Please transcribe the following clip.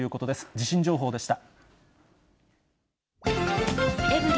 地震情報でした。